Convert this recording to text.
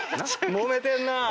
もめてんなぁ。